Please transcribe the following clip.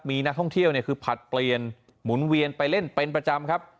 มีนักท่องเที่ยวเนี่ยคือผลัดเปลี่ยนหมุนเวียนไปเล่นเป็นประจำครับ